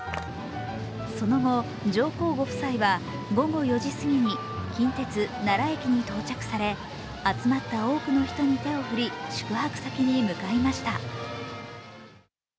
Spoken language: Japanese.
その後、上皇ご夫妻は午後４時すぎに近鉄・奈良駅に到着され集まった多くの人に手を振り宿泊先に向かいました。